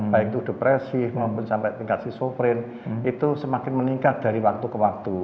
baik itu depresi maupun sampai tingkat si sovereign itu semakin meningkat dari waktu ke waktu